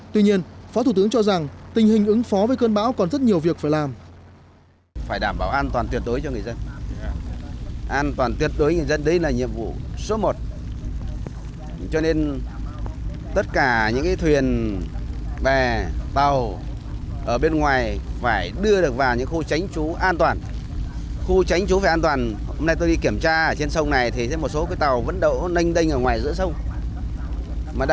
tuy nhiên phó thủ tướng cho rằng tình hình ứng phó với cơn bão còn rất nhiều việc phải làm